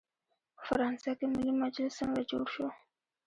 په فرانسه کې ملي مجلس څنګه جوړ شو؟